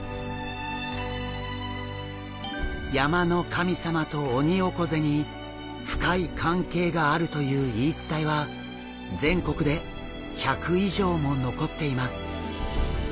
山の神様とオニオコゼに深い関係があるという言い伝えは全国で１００以上も残っています。